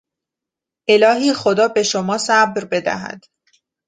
الهی خدا به شما صبر بدهد!